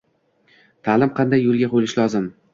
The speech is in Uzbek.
Taʼlim qanday yoʻlga qoʻyilishi lozim?